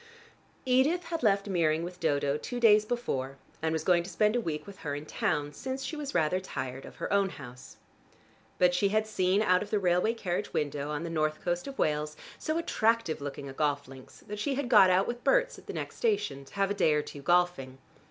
Edith had left Meering with Dodo two days before and was going to spend a week with her in town since she was rather tired of her own house. But she had seen out of the railway carriage window on the north coast of Wales, so attractive looking a golf links, that she had got out with Berts at the next station, to have a day or two golfing.